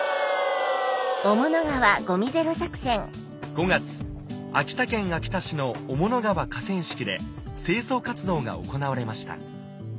５月秋田県秋田市の雄物川河川敷で清掃活動が行われました